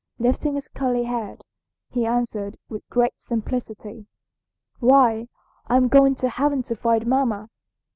Lifting his curly head, he answered with great simplicity, 'Why, I'm going to heaven to find mamma.'